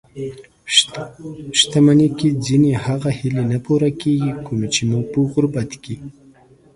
شتمني کې ځينې هغه هیلې نه پوره کېږي؛ کومې چې مو په غربت کې